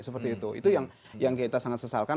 seperti itu itu yang kita sangat sesalkan